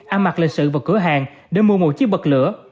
am mặt lệnh sự vào cửa hàng để mua một chiếc bật lửa